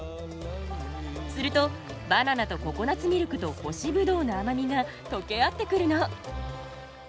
するとバナナとココナツミルクと干しぶどうの甘みが溶け合ってくるの。